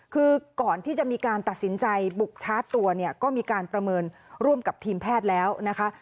คือก่อนที่จะมีการตัดสินใจบุกชาร์จตัวเนี่ยก็มีการประเมินร่วมกับทีมแพทย์แล้วนะคะ